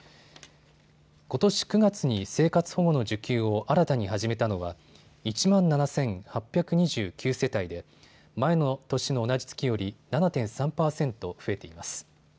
ことし９月に生活保護の受給を新たに始めたのは１万７８２９世帯で前の年の同じ月より７．３％増えています。